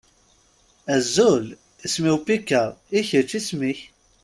Azul! Isem-iw Pecca. I kečč, isem-ik?